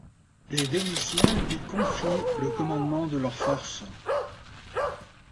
Les Vénitiens lui confient le commandement de leurs forces.